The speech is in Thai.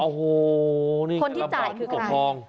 โอ้โหนี่ลำบากผู้ปกครอง